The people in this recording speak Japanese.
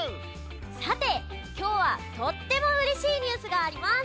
さてきょうはとってもうれしいニュースがあります！